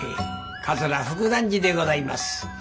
桂福團治でございます。